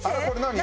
何？